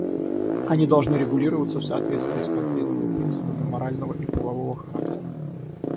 Они должны регулироваться в соответствии с конкретными принципами морального и правового характера.